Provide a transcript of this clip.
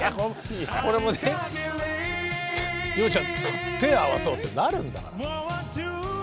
洋ちゃん手合わそうってなるんだから。